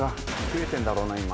増えてんだろうな今。